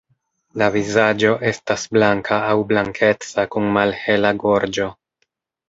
La vizaĝo estas blanka aŭ blankeca kun malhela gorĝo.